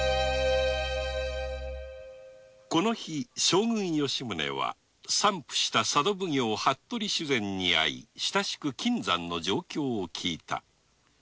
将軍吉宗は参府した佐渡奉行服部主膳に会い親しく金山の状況を聞いた。